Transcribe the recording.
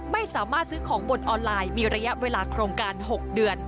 ไม่สามารถซื้อของบนออนไลน์มีระยะเวลาโครงการ๖เดือน